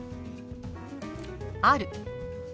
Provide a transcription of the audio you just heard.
「ある」。